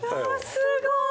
すごい。